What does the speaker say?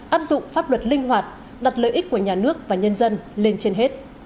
áp dụng pháp luật linh hoạt đặt lợi ích của nhà nước và nhân dân lên trên hết